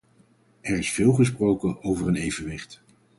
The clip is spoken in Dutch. Er is veel gesproken over een evenwicht.